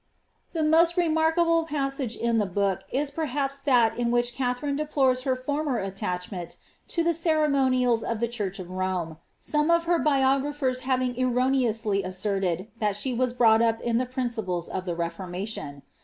"* The most remarkable passage in the book u perhapa thai in whick Katharine dffplores her former attachment to the ceremoaiala of the church of Rome, some of her biog^phers having erroneoualj aneited that she was brought up in the principles of the reformation.